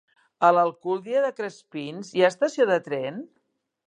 A l'Alcúdia de Crespins hi ha estació de tren?